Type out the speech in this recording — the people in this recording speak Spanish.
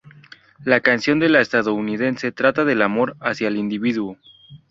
La canción de la estadounidense trata del amor hacia el individuo.